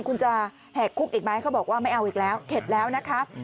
คุณจะแหกคุกอีกไหมเขาบอกว่าไม่เอาอีกแล้วเข็ดแล้วนะคะ